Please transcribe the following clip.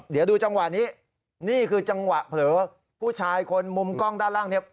เดี๋ยวดูจังหวะนี้นี่คือจังหวะเผลอผู้ชายคนมุมกล้องด้านล่างเนี่ย